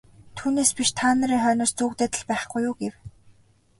Түүнээс биш та нарын хойноос зүүгдээд л байхгүй юу гэв.